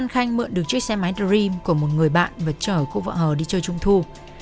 khanh mượn được chiếc xe máy dream của một người bạn và chở cô vợ hờ đi chơi trung thu